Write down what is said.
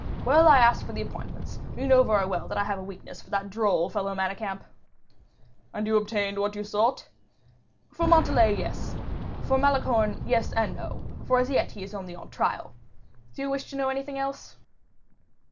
Well, I asked for the appointments, for you know very well that I have a weakness for that droll fellow Manicamp." "And you obtained what you sought?" "For Montalais, yes; for Malicorne, yes and no; for as yet he is only on trial. Do you wish to know anything else?"